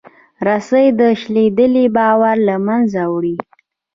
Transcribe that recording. رسۍ شلېدلې باور له منځه وړي.